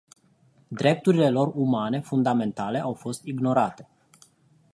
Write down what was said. Drepturile lor umane fundamentale au fost ignorate.